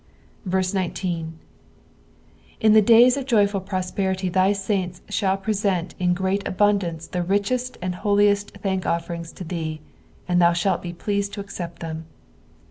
19. In those days of joyful prosperity thy saints shall present in great abundance the richest and holiest thank offerings to thee, and thou shaft be pleased to accept them.